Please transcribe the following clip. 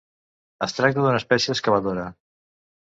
Es tracta d'una espècie excavadora.